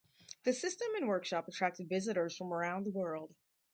The system and workshop attracted visitors from around the world.